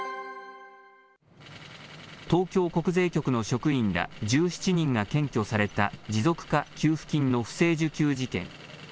東京国税局の職員ら１７人が検挙された、持続化給付金の不正受給事件。